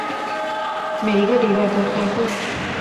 每一个礼拜都开会。